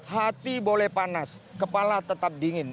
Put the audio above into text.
hati boleh panas kepala tetap dingin